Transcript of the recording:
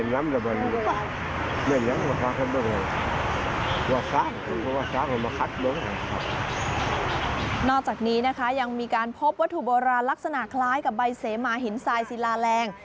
นอกจากนี้นะคะยังมีการพบวัตถุโบราณลักษณะคล้ายกับใบเสมาหินทรายศิลาแรง